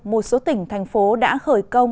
một số tỉnh thành phố đã khởi công